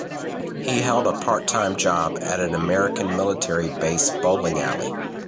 He held a part-time job at an American military base bowling alley.